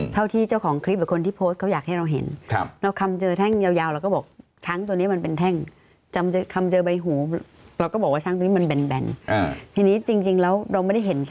ที่เจ้าของคลิปหรือคนที่โพสต์เขาอยากให้เราเห็น